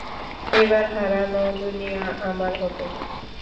এবার হারানো দুনিয়া আমার হবে।